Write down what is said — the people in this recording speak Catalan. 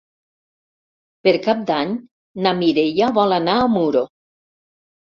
Per Cap d'Any na Mireia vol anar a Muro.